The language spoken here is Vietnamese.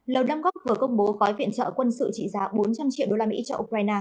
lầu đâm góc vừa công bố gói viện trợ quân sự trị giá bốn trăm linh triệu usd cho ukraine